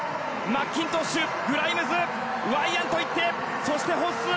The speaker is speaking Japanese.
マッキントッシュ、グライムズワイヤント、行ってそしてホッスー。